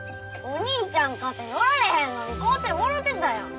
お兄ちゃんかて乗られへんのに買うてもろてたやん！